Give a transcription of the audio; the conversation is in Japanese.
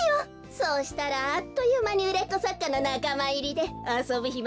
そうしたらあっというまにうれっこさっかのなかまいりであそぶひまもなくなるわね。